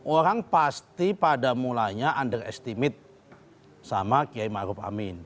orang pasti pada mulanya underestimate sama kiai maruf amin